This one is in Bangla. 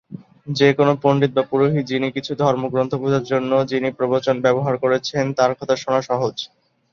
যে কোনও পণ্ডিত বা পুরোহিত যিনি কিছু ধর্মগ্রন্থ বোঝার জন্য যিনি প্রবচন ব্যবহার করছেন তার কথা শোনা সহজ।